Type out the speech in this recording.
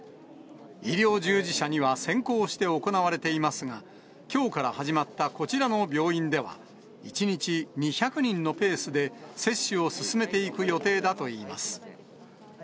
医療従事者には先行して行われていますが、きょうから始まったこちらの病院では、１日２００人のペースで接種を進めていく予定だといいます。